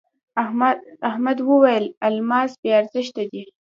احمد وويل: الماس بې ارزښته دی.